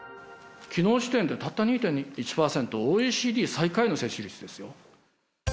きのう時点でたった２でん１％、ＯＥＣＤ最下位の接種率ですよ。